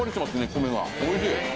米がおいしい。